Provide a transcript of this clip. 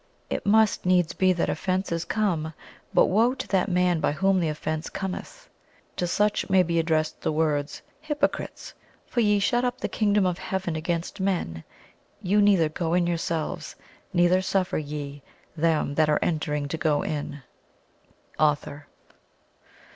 "It must needs be that offences come, but woe to that man by whom the offence cometh!" To such may be addressed the words, "Hypocrites! for ye shut up the kingdom of heaven against men; ye neither go in yourselves, neither suffer ye them that are entering to go in." AUTHOR.